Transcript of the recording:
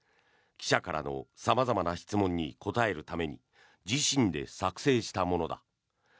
記者からの様々な質問に答えるために自身で作成したものだ。